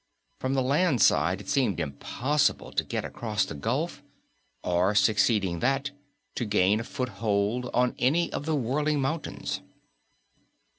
From the land side it seemed impossible to get across the gulf or, succeeding in that, to gain a foothold on any of the whirling mountains.